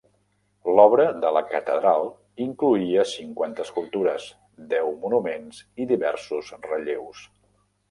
L'obra de la catedral incloïa cinquanta escultures, deu monuments i diversos relleus.